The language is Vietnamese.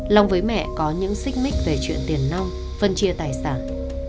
long với mẹ có những xích mích về chuyện tiền long phân chia tài sản